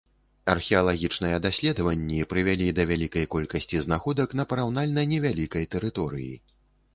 Археалагічныя даследаванні прывялі да вялікай колькасці знаходак на параўнальна невялікай тэрыторыі.